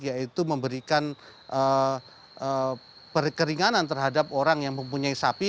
yaitu memberikan perkeringanan terhadap orang yang mempunyai sapi